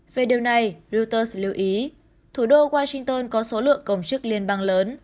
về điều này reuters lưu ý thủ đô washington có số lượng công chức liên bang lớn